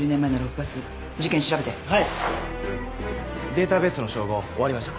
データベースの照合終わりました。